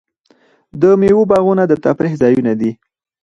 د میوو باغونه د تفریح ځایونه دي.